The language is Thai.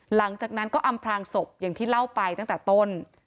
หลังจากนั้นก็อำพลางศพอย่างที่เล่าไปตั้งแต่ต้น